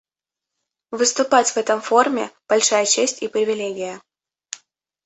Выступать в этом форуме — большая честь и привилегия.